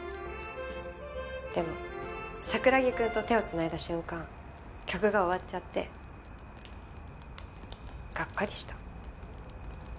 でも桜木くんと手を繋いだ瞬間曲が終わっちゃってがっかりした。